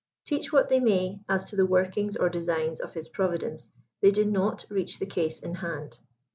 Teach what they may as to the workings or designs of His Provideilde, they do not reach the case in hand.